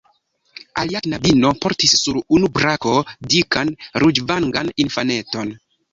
Alia knabino portis sur unu brako dikan, ruĝvangan infaneton.